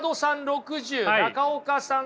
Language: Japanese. ６０中岡さん